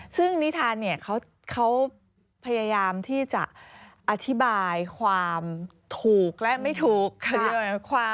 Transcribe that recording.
ซึ่งนิทานเนี่ยเขาพยายามที่จะอธิบายความถูกและไม่ถูก